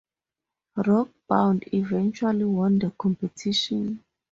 "Rockbound" eventually won the competition.